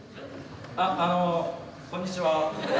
ああのこんにちは。